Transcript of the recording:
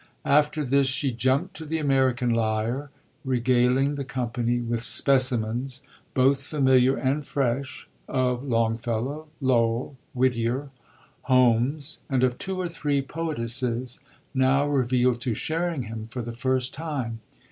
After this she jumped to the American lyre, regaling the company with specimens, both familiar and fresh, of Longfellow, Lowell, Whittier, Holmes, and of two or three poetesses now revealed to Sherringham for the first time.